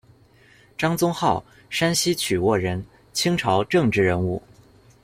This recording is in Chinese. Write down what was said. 张宗灏，山西曲沃人，清朝政治人物。